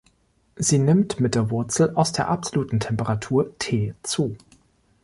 Sie nimmt mit der Wurzel aus der absoluten Temperatur "T" zu.